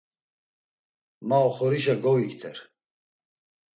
Ma oxorişa govikter.